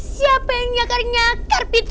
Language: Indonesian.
siapa yang nyakar nyakar pikir